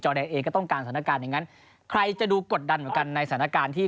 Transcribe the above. แดงเองก็ต้องการสถานการณ์อย่างนั้นใครจะดูกดดันเหมือนกันในสถานการณ์ที่